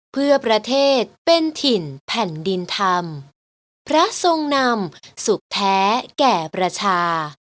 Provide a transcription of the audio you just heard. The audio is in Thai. เพื่อประเทศเป็นถิ่นแผ่นดินธรรมพระทรงนำสุขแท้แก่ประชา